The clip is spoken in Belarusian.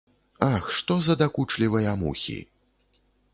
Ах, што за дакучлівыя мухі!